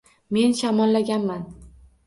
Men shamollaganman.